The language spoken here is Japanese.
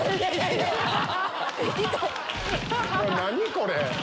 これ。